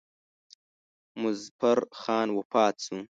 مظفر خان وفات شو.